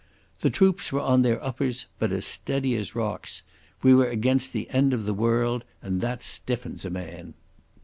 The troops were on their uppers, but as steady as rocks. We were against the end of the world, and that stiffens a man....